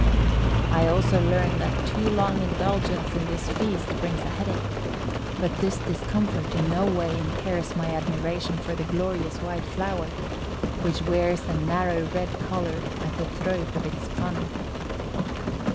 I also learn that too long indulgence in this feast brings a headache; but this discomfort in no way impairs my admiration for the glorious white flower, which wears a narrow red collar at the throat of its funnel.